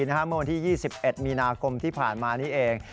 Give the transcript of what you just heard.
เมื่อวันที่๒๑มีนาคมที่ผ่านมานี้เอง